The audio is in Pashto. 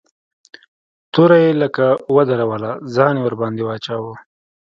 توره يې لکه ودروله ځان يې ورباندې واچاوه.